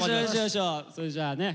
それじゃあね